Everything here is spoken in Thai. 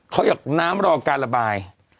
เขาอยากน้ำรอการระบาย